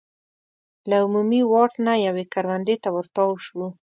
له عمومي واټ نه یوې کروندې ته ور تاو شو.